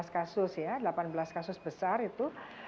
dua belas kasus ya delapan belas kasus besar itu